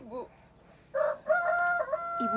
kami belum pernah ketemu dia lagi bu